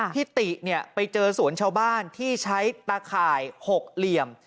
ติไปเจอสวนชาวบ้านที่ใช้ตะข่าย๖เหลี่ยม